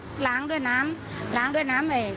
หรือว่าล้างด้วยน้ำล้างด้วยน้ำไหน